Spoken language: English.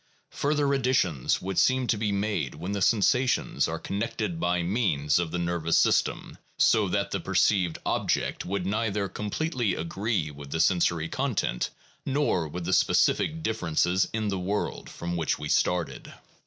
Further additions would seem to be made when the sensations are connected by means of the nervous system, so that the perceived object would neither completely agree with the sensory content nor with the specific differences in the world, from which we started.